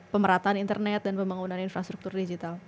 pemerataan internet dan pembangunan infrastruktur digital